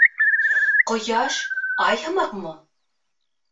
— Ҡояш, Ай һымаҡмы?